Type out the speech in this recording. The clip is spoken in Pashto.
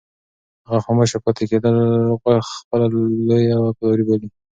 هغه خاموشه پاتې کېدل خپله لویه وفاداري بولي.